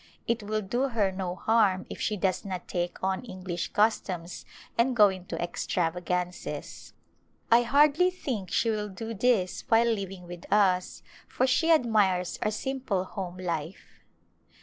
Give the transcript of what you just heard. It will do her no harm if she does not take on English customs and go into extravagances. I A Glimpse of India hardly think she will do this while living with us, for she admires our simple home life.